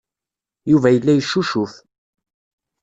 Yuba yella yeccucuf.